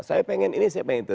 saya pengen ini saya pengen itu